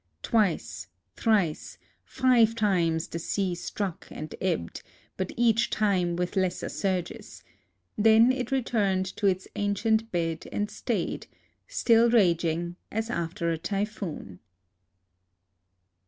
Twice, tlirice, five times the sea struck and ebbed, but each time with lesser surges : then it returned to its ancient bed and stayed, — still raging, as after a typhoon.